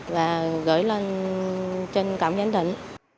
và gửi lên trên cổng giám định